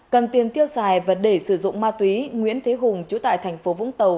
cần tiền tiêu xài và để sử dụng ma túy nguyễn thế hùng chủ tại thành phố vũng tàu